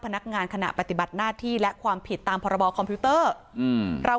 พนักงานขณะปฏิบัติหน้าที่และความผิดตามพรบคอมพิวเตอร์อืมเรา